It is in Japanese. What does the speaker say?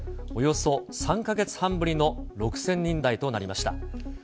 およそ３か月半ぶりの６０００人台となりました。